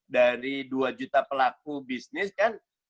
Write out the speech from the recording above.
dari dua juta pelaku bisnis kan